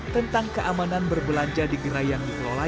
tentang keamanan berbelanja di gerai yang dikelola